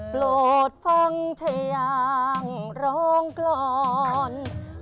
โปรดฟังชายางร้องกรอน